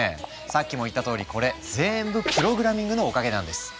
さっきも言ったとおりこれぜんぶプログラミングのおかげなんです。